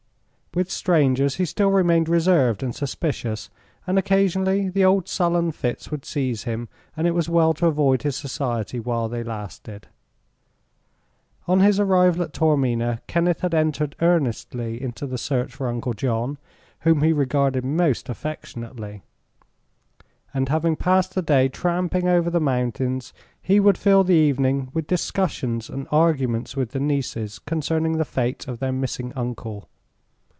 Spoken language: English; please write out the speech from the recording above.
With strangers he still remained reserved and suspicious, and occasionally the old sullen fits would seize him and it was well to avoid his society while they lasted. On his arrival at Taormina, Kenneth had entered earnestly into the search for Uncle John, whom he regarded most affectionately; and, having passed the day tramping over the mountains, he would fill the evening with discussions and arguments with the nieces concerning the fate of their missing uncle.